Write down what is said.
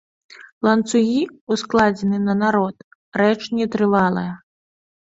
Ланцугі, ускладзеныя на народ, рэч нетрывалая.